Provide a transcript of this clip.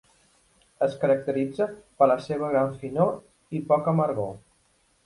Es caracteritza per la seva gran finor i poca amargor.